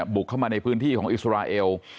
บุกเข้ามาในพื้นที่ของอิสราเอล